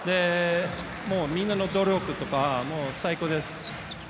みんなの努力とかもう最高です。